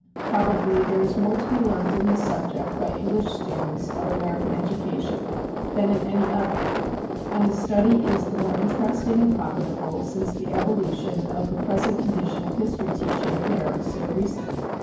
Probably there is more to be learnt in this subject by English students of American education than in any other, and the study is the more interesting and profitable since the evolution of the present condition of history teaching there is so recent.